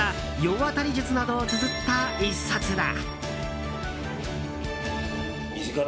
世渡り術などをつづった１冊だ。